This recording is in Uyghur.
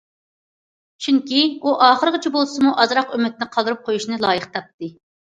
چۈنكى، ئۇ ئاخىرغىچە بولسىمۇ ئازراق ئۈمىدنى قالدۇرۇپ قويۇشنى لايىق تاپتى.